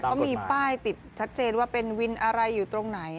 เขามีป้ายติดชัดเจนว่าเป็นวินอะไรอยู่ตรงไหน